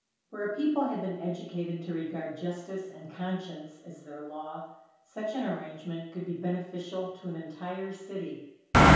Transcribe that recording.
Where a people had been educated to regard justice and conscience as their law, such an arrangement could be beneficial to an entire city.